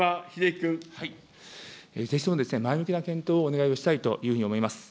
ぜひとも前向きな検討をお願いをしたいというふうに思います。